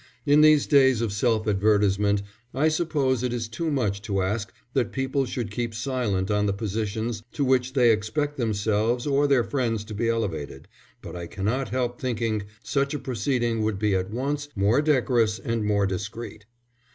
In these days of self advertisement, I suppose it is too much to ask that people should keep silent on the positions to which they expect themselves or their friends to be elevated, but I cannot help thinking such a proceeding would be at once more decorous and more discreet.